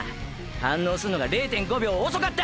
反応すんのが０．５秒遅かった！